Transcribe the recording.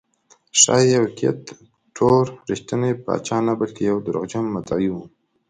ښایي یوکیت ټو رښتینی پاچا نه بلکې یو دروغجن مدعي و